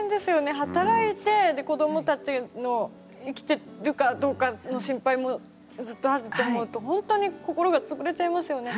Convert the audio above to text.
働いて子どもたちの生きてるかどうかの心配もずっとあると思うとほんとに心が潰れちゃいますよね。